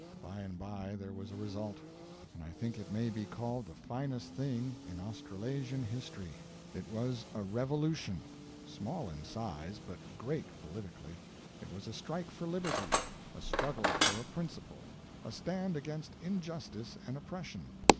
By and by there was a result; and I think it may be called the finest thing in Australasian history. It was a revolution small in size; but great politically; it was a strike for liberty, a struggle for a principle, a stand against injustice and oppression.